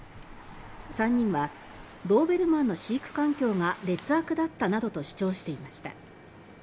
３人は「ドーベルマンの飼育環境が劣悪だった」などと主張していました。